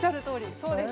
そうです。